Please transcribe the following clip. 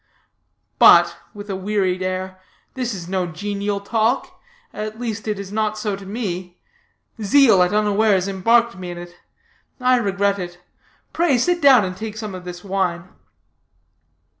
But," with a wearied air, "this is no genial talk; at least it is not so to me. Zeal at unawares embarked me in it. I regret it. Pray, sit down, and take some of this wine."